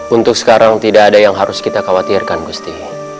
untuk sekarang tidak ada yang harus kita khawatirkan gusti